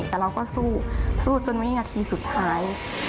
แต่เราก็สู้สู้จนวินาทีสุดท้าย